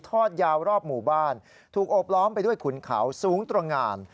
ทอดยาวรอบหมู่บ้านถูกโอบล้อมไปด้วยขุนเขาสูงตรงงาน